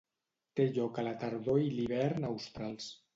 Té lloc a la tardor i l'hivern australs.